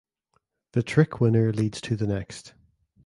The trick winner leads to the next.